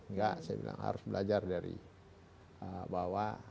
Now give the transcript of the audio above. enggak saya bilang harus belajar dari bahwa